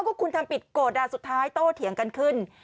ก็คุณทำผิดโกรธสุดท้ายโตเถียงกันขึ้น